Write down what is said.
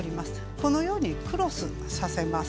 このようにクロスさせます。